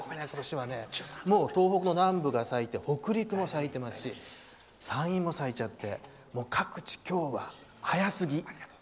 東北の南部が咲いて北陸も咲いていますし山陰も咲いちゃって各地、今日は早すぎ！